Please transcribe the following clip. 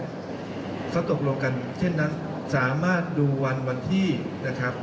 เขาตกลงกันเช่นนั้นสามารถดูวันวันที่นะครับ